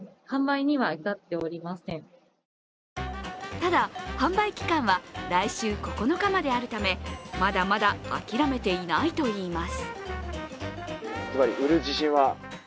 ただ、販売期間は来週９日まであるためまだまだ諦めていないといいます。